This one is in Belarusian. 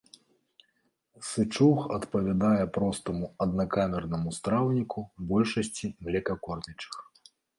Сычуг адпавядае простаму аднакамернаму страўніку большасці млекакормячых.